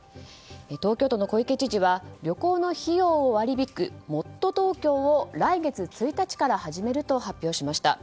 東京都の小池知事は旅行の費用を割り引くもっとＴｏｋｙｏを来月１日から始めると発表しました。